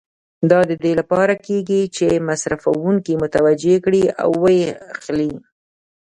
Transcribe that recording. دا د دې لپاره کېږي چې مصرفوونکي متوجه کړي او و یې اخلي.